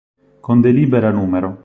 Con delibera n.